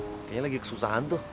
kayaknya lagi kesusahan tuh